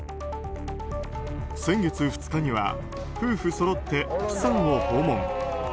先月２日には夫婦そろって釜山を訪問。